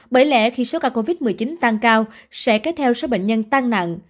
bởi lẽ khi số ca covid một mươi chín tăng cao sẽ kéo theo số bệnh nhân tăng nặng